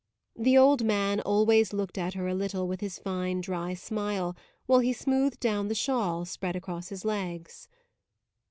The old man always looked at her a little with his fine dry smile while he smoothed down the shawl spread across his legs.